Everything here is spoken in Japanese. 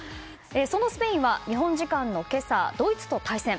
そのスペインは日本時間の今朝ドイツと対戦。